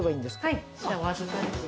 はい。